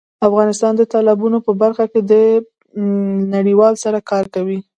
افغانستان د تالابونو په برخه کې له نړیوالو سره کار کوي.